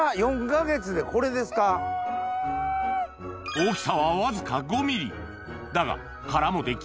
大きさはわずか５ｍｍだが殻も出来